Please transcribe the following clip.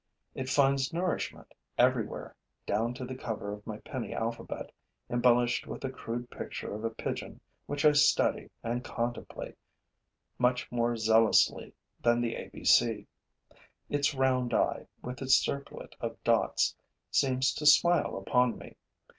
It finds nourishment everywhere, down to the cover of my penny alphabet, embellished with a crude picture of a pigeon which I study and contemplate much more zealously than the A B C. Its round eye, with its circlet of dots, seems to smile upon me.